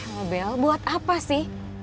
nobel buat apa sih